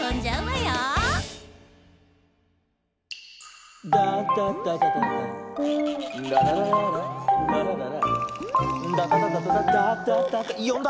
よんだ？